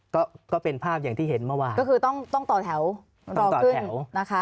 ก็ก็เป็นภาพอย่างที่เห็นเมื่อวานก็คือต้องต้องต่อแถวรอต่อแถวนะคะ